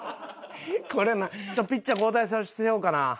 ちょっとピッチャー交代させようかな。